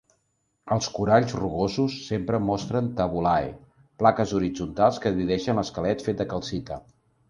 Els coralls rugosos sempre mostren "tabulae", plaques horitzontals que divideixen l'esquelet fet de calcita.